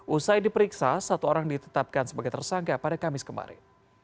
usai diperiksa satu orang ditetapkan sebagai tersangka pada kamis kemarin